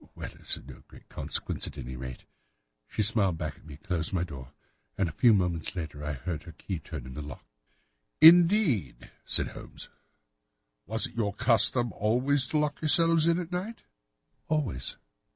"'Well, it is of no great consequence, at any rate.' She smiled back at me, closed my door, and a few moments later I heard her key turn in the lock." "Indeed," said Holmes. "Was it your custom always to lock yourselves in at night?" "Always."